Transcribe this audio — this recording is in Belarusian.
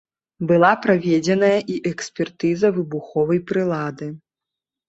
Была праведзеная і экспертыза выбуховай прылады.